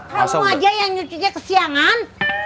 kamu aja yang nyuci nya kesiangan